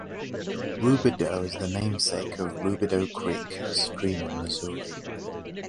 Roubidoux is the namesake of Roubidoux Creek, a stream in Missouri.